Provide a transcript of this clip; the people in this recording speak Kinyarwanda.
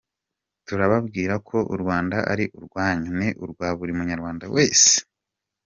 Turababwira ko u Rwanda ari urwanyu, ni urwa buri munyarwanda wese.”